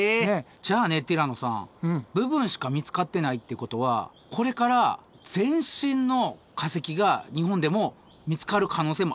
じゃあねティラノさん部分しか見つかってないってことはこれから全身の化石が日本でも見つかる可能性もあるってことですよね？